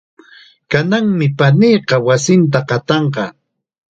Kananmi paniiqa wasinta qatanqa.